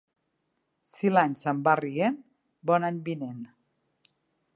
Si l'any se'n va rient, bon any vinent.